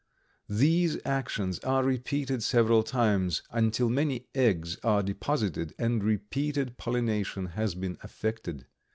These actions are repeated several times, until many eggs are deposited and repeated pollination has been effected.